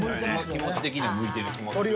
気持ち的には向いてる気もする。